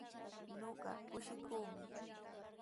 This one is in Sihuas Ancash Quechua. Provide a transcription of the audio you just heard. Ñuqa kushikuumi.